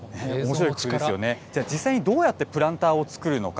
実際にどうやってプランターを作るのか。